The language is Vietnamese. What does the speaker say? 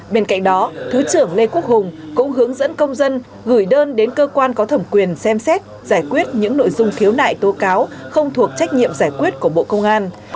bên cạnh đó thứ trưởng lê quốc hùng cũng hướng dẫn công dân gửi đơn đến cơ quan có thẩm quyền xem xét giải quyết những nội dung khiếu nại tố cáo không thuộc trách nhiệm giải quyết của bộ công an